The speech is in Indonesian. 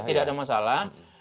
tidak ada masalah